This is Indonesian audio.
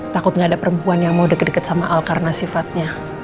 takut gak ada perempuan yang mau deket deket sama al karena sifatnya